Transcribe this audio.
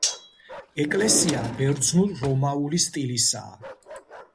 ეკლესია ბერძნულ-რომაული სტილისაა.